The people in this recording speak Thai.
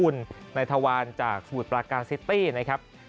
นายทวารจากสมุทรปราการซิตี้นะครับ